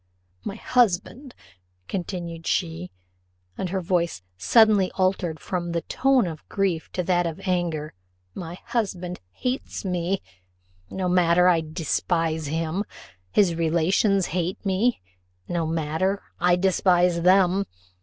"My husband," continued she, and her voice suddenly altered from the tone of grief to that of anger "my husband hates me no matter I despise him. His relations hate me no matter I despise them.